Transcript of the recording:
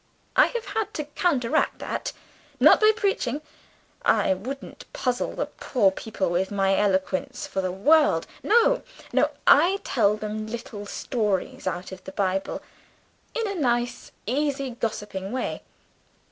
I have had to counteract that. Not by preaching! I wouldn't puzzle the poor people with my eloquence for the world. No, no: I tell them little stories out of the Bible in a nice easy gossiping way.